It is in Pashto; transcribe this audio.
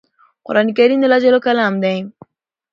قران کریم د الله ج کلام دی